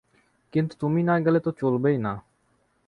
কিন্তু তুমি না গেলে তো চলবেই না।